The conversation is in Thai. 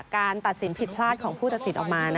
การตัดสินผิดพลาดของผู้ตัดสินออกมา